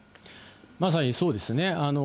まさにそうですね。